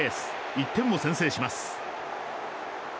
１点を先制します。